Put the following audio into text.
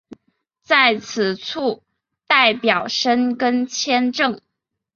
在此处代表申根签证。